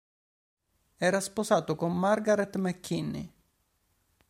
Era sposato con Margaret McKinney.